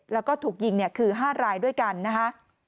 แล้วก็ถูกยิงคือ๕รายด้วยกันนะคะ